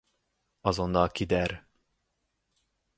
Azonnal kider